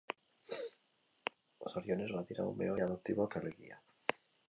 Zorionez badira ume horiek zaintzeko familiak, familia adoptiboak alegia.